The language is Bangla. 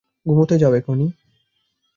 ঘুমোতে যাও, এখুনি!